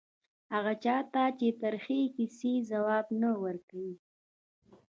هغه چا ته د ترخې کیسې ځواب نه ورکوي